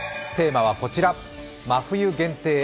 テーマはこちら「真冬限定！